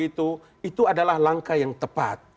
ini adalah salah langkah yang tepat